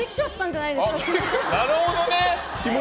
なるほどね。